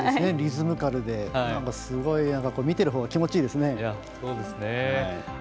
リズミカルですごい見てるほうが気持ちがいいですね。